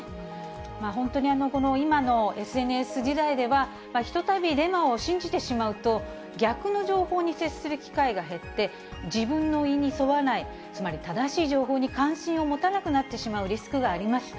本当にこの今のＳＮＳ時代では、ひとたびデマを信じてしまうと、逆の情報に接する機会が減って、自分の意に沿わない、つまり正しい情報に関心を持たなくなってしまうリスクがあります。